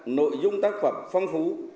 nội dung tác phẩm phong phú